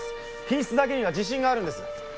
品質だけには自信があるんです。